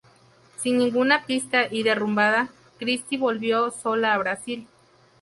Sin ninguna pista y derrumbada, Christie volvió sola a Brasil.